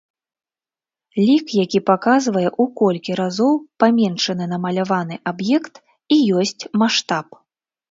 Лік, які паказвае, у колькі разоў паменшаны намаляваны аб'ект, і ёсць маштаб.